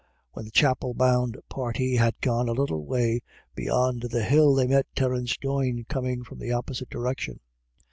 When the chapel bound party had gone a little way beyond the hill, they met Terence Doyne coming from the opposite direction.